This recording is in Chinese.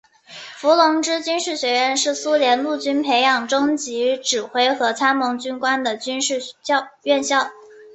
伏龙芝军事学院是苏联陆军培养中级指挥和参谋军官的军事院校。